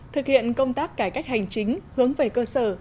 thực hiện công tác cải cách hành chính hướng về cơ sở